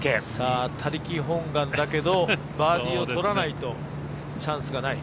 他力本願だけどバーディーを取らないとチャンスがない。